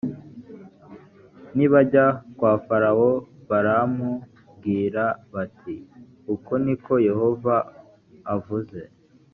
ni bajya kwa farawo baramubwira bati “uku ni ko yehova avuze”